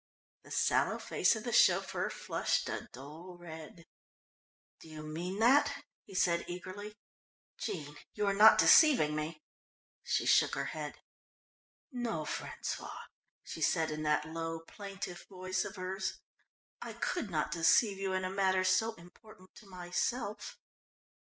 The sallow face of the chauffeur flushed a dull red. "Do you mean that?" he said eagerly. "Jean, you are not deceiving me?" She shook her head. "No, François," she said in that low plaintive voice of hers, "I could not deceive you in a matter so important to myself."